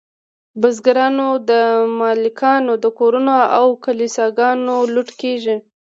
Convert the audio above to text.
بزګرانو د مالکانو کورونه او کلیساګانې لوټ کړې.